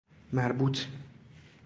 مربوط